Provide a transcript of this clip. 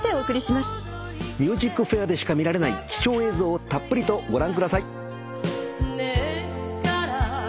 『ＭＵＳＩＣＦＡＩＲ』でしか見られない貴重映像をたっぷりとご覧ください。